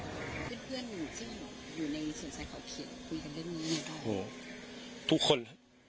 เพื่อนหนึ่งซึ่งอยู่ในส่วนชายของเขียนคุยกับเรื่องนี้โอ้โหทุกคน